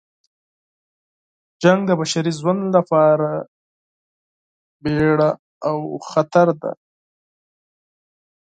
جنګ د بشري ژوند لپاره بیړه او خطر ده.